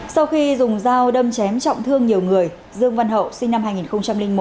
sau khi dùng dao đâm chém trọng thương nhiều người dương văn hậu sinh năm hai nghìn một